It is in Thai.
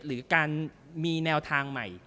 หรือการมีแนวทางใหม่